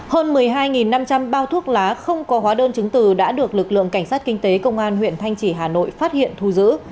hơn một mươi hai năm trăm linh bao thuốc lá không có hóa đơn chứng từ đã được lực lượng cảnh sát kinh tế công an huyện thanh trì hà nội phát hiện thu giữ